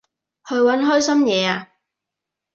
去搵開心嘢吖